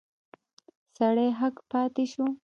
سړی هک پاته شو.